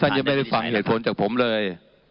ยังไม่ได้ฟังเหตุผลจากผมเลย